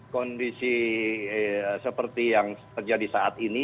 kondisi seperti yang terjadi saat ini